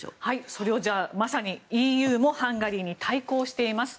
それをまさにＥＵもハンガリーに対抗しています。